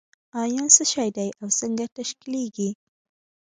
ایون څه شی دی او څنګه تشکیلیږي؟